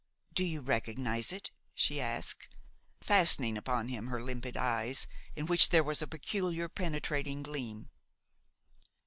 "Do you recognize it?" she asked, fastening upon him her limpid eyes, in which there was a peculiar, penetrating gleam.